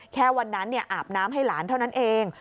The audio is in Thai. แค่วันนั้นอาบน้ำให้หลานเท่านั้นเอง